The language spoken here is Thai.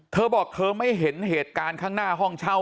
เธอบอกเธอไม่เห็นเหตุการณ์ข้างหน้าห้องเช่า